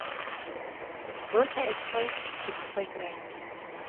Rogers expressed disappointment.